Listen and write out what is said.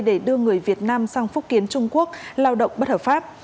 để đưa người việt nam sang phúc kiến trung quốc lao động bất hợp pháp